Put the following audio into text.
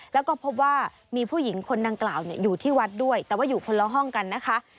แล้วก็พบว่ามีผู้หญิงคนดังกล่าวอยู่ที่วัดด้วยแต่ว่าอยู่คนละห้องกันนะคะ